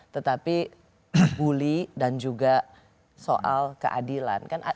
tetapi bully dan juga soal keadilan